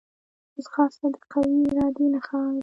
ځغاسته د قوي ارادې نښه ده